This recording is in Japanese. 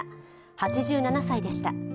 ８７歳でした。